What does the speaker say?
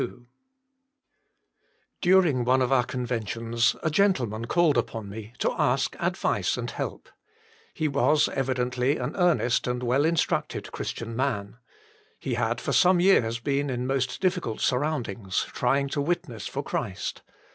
TAUEING one of our conventions a gentleman called upon me to ask advice and help. He was evidently an earnest and well instructed Christian man. He had for some years been in most difficult surroundings, trying to witness for Christ.